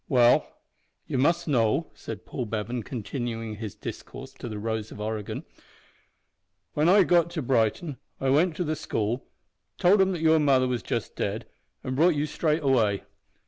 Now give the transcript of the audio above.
"Well, you must know," said Paul Bevan, continuing his discourse to the Rose of Oregon, "when I got to Brighton I went to the school, told 'em that your mother was just dead, and brought you straight away.